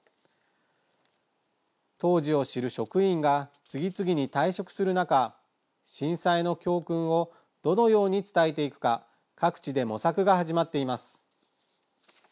当時を知る職員が次々に退職する中、震災の教訓をどのように伝えていくか各地で模索が始まっています。